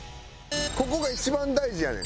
ここが一番大事やねん。